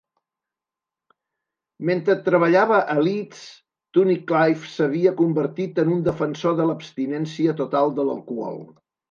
Mentre treballava a Leeds, Tunnicliff s'havia convertit en un defensor de l'abstinència total de l'alcohol.